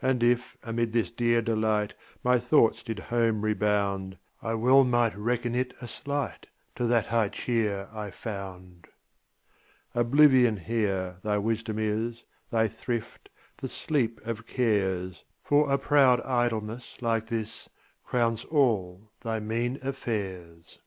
And if, amid this dear delight, My thoughts did home rebound, I well might reckon it a slight To the high cheer I found. Oblivion here thy wisdom is, Thy thrift, the sleep of cares; For a proud idleness like this Crowns all thy mean affairs.